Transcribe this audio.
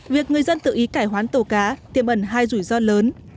việc người dân tự ý cải hoán tàu cá tiêm ẩn hai rủi ro lớn